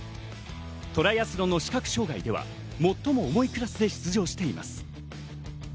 トライアスロンの視覚障がいでは最も重いクラスで出場しています。